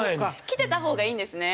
きてたほうがいいんですね。